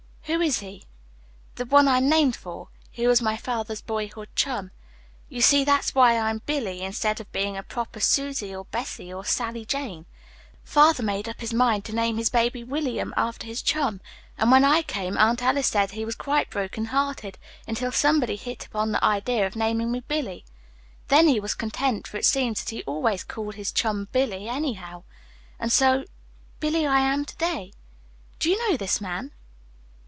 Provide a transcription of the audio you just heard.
"Who is he?" "The one I'm named for. He was father's boyhood chum. You see that's why I'm 'Billy' instead of being a proper 'Susie,' or 'Bessie,' or 'Sally Jane.' Father had made up his mind to name his baby 'William' after his chum, and when I came, Aunt Ella said, he was quite broken hearted until somebody hit upon the idea of naming me Billy.' Then he was content, for it seems that he always called his chum 'Billy' anyhow. And so 'Billy' I am to day." "Do you know this man?"